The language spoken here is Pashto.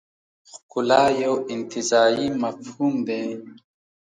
ښکلا یو انتزاعي مفهوم دی.